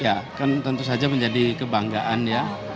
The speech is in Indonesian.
ya kan tentu saja menjadi kebanggaan ya